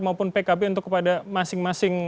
maupun pkb untuk kepada masing masing